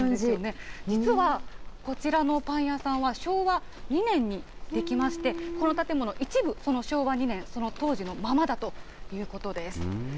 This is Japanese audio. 実はこちらのパン屋さんは、昭和２年に出来まして、この建物、一部その昭和２年、その当時のままだということです。